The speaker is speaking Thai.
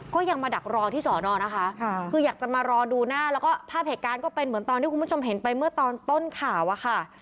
ก็ยังมาดักรอที่สอนอนะคะคืออยากจะมารอดูหน้าแล้วก็ภาพเหตุการณ์ก็เป็นเหมือนตอนที่คุณผู้ชมเห็นไปเมื่อตอนต้นข่าวอะค่ะ